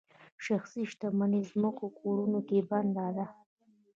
شخصي شتمني ځمکو کورونو کې بنده ده.